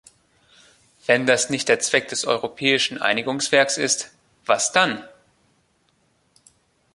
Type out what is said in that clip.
Wenn das nicht der Zweck des europäischen Einigungswerks ist, was dann?